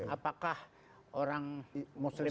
apakah orang muslim itu